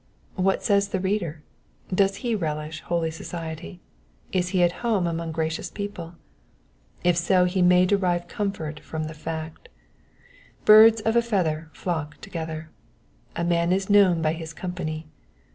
What says the reader? Does he relish noly society ? Is he at home among gracious people ? If so he may derive com fort from the fact. Birds of a feather flock together. A man is known by his company.